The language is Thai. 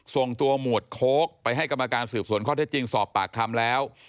ส่งตัวหมวดโค้กไปให้กรรมการสืบสวนข้อเท็จจริงสอบปากคำแล้ว